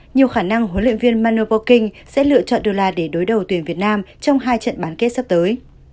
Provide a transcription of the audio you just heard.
nhiều khả năng huấn luyện viên manu borking sẽ lựa chọn dolat để đối đầu tuyển việt nam trong hai trận bán kết sắp tới